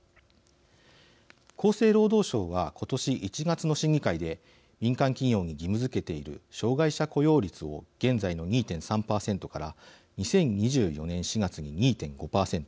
厚生労働省は今年１月の審議会で民間企業に義務づけている障害者雇用率を現在の２．３％から２０２４年４月に２．５％